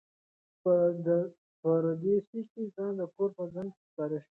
په پردېسۍ کې ځان د ګور په څنډه ښکاره شو.